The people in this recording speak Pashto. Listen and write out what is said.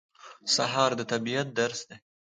سهار د طبیعت درس دی.